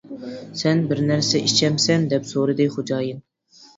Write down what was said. -سەن بىر نەرسە ئىچەمسەن؟ -دەپ سورىدى خوجايىن.